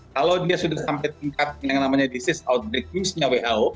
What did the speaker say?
kalau dia sudah sampai tingkat yang namanya disease outbreak news nya who